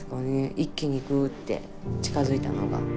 一気にぐって近づいたのが。